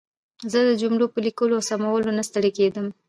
زه د جملو په لیکلو او سمولو نه ستړې کېدم.